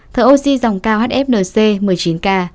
thở oxy dòng cao hfnc một mươi chín ca